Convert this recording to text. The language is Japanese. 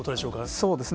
そうですね。